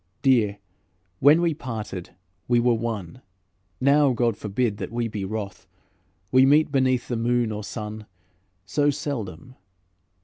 Dear, when we parted we were one; Now God forbid that we be wroth, We meet beneath the moon or sun So seldom.